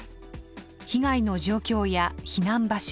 被害の状況や避難場所